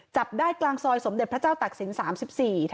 จับได้กลางซอยสมเด็จพระเจ้าตักศิลป์๓๔